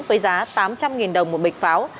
với giá tám trăm linh đồng một bịch pháo